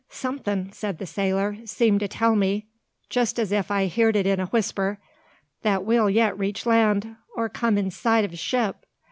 "Somethin'" said the sailor, "seem to tell me jest as if I heerd it in a whisper that we'll yet reach land, or come in sight o' a ship.